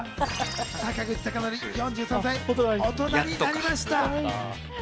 坂口孝則４３歳、大人になりました。